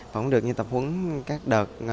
vẫn được như tập huấn các đợt